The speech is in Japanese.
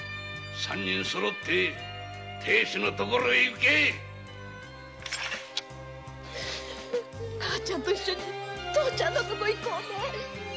三人そろって亭主のところへ行け母ちゃんと一緒に父ちゃんのところへ行こうね。